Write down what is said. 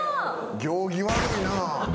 行儀悪いな。